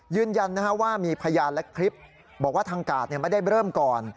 ยืนยันว่ามีพยานและคลิปบอกว่าทางกาดไม่ได้เริ่มก่อน